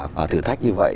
và thử thách như vậy